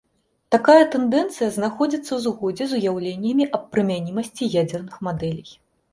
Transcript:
Такая тэндэнцыя знаходзіцца ў згодзе з уяўленнямі аб прымянімасці ядзерных мадэлей.